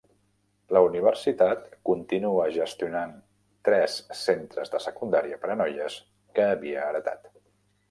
La universitat continua gestionant tres centres de secundària per a noies, que havia heretat.